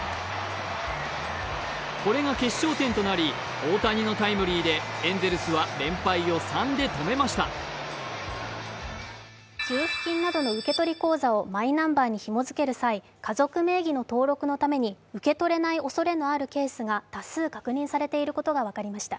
これが決勝点となり、大谷のタイムリーでエンゼルスは連敗を３で止めました給付金などの受取口座をマイナンバーでひも付ける際家族名義の登録のために受け取れないおそれのあるケースが多数確認されていることが分かりました。